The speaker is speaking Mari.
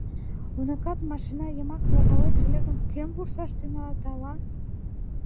— Уныкат машина йымак логалеш ыле гын, кӧм вурсаш тӱҥалат ала.